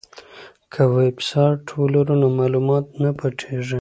که ویبسایټ ولرو نو معلومات نه پټیږي.